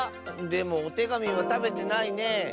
でもおてがみはたべてないね。